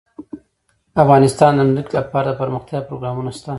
افغانستان کې د ځمکه لپاره دپرمختیا پروګرامونه شته.